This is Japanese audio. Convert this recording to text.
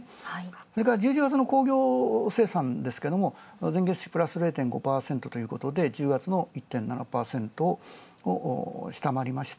それから１１月の工業生産ですが、プラス０．５％ということで１０月の１．７％を下回りました。